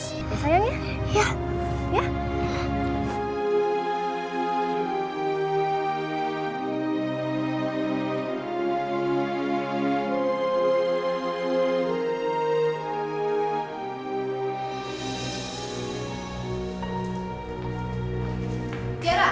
terus kita berangkat ke kelas